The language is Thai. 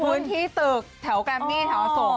คุณที่ตึกแถวกลับนี้ให้ส่ง